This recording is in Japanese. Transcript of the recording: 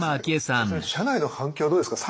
それ社内の反響はどうですか？